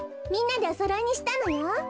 みんなでおそろいにしたのよ。